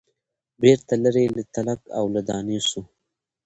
بیرته لیري له تلک او له دانې سو